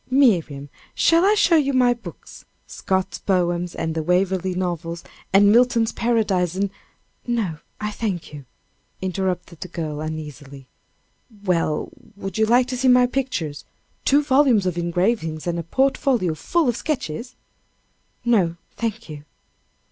"Miriam, shall I show you my books Scott's poems, and the Waverley novels, and Milton's Paradise, and " "No, I thank you," interrupted the girl, uneasily. "Well, would you like to see my pictures two volumes of engravings, and a portfolio full of sketches?" "No, thank you."